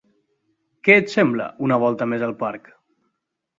Què et sembla una volta més pel parc?